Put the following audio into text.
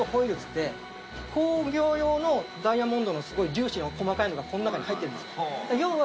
工業用のダイヤモンドの粒子の細かいのがこの中に入ってるんです。